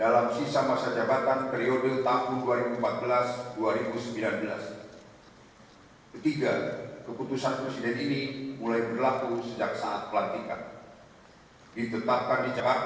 lalu kebangsaan indonesia baik